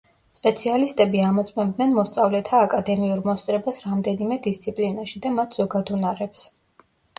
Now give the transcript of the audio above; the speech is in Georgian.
სპეციალისტები ამოწმებდნენ მოსწავლეთა აკადემიურ მოსწრებას რამდენიმე დისციპლინაში და მათ ზოგად უნარებს.